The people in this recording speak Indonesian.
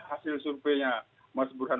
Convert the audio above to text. hasil surveinya mas burhan